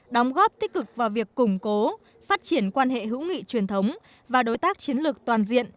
đóng góp tích cực vào việc củng cố phát triển quan hệ hữu nghị truyền thống và đối tác chiến lược toàn diện